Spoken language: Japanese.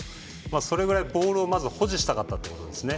それぐらい、ボールをまず保持したかったということですね。